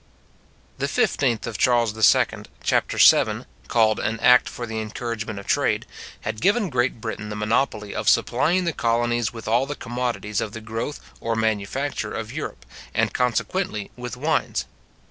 The 15th Charles II, chap. 7, called an act for the encouragement of trade, had given Great Britain the monopoly of supplying the colonies with all the commodities of the growth or manufacture of Europe, and consequently with wines.